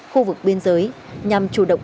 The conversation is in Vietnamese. khu vực biên giới nhằm chủ động